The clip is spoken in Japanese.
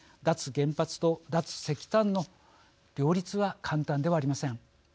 原発と脱石炭の両立は簡単ではありません。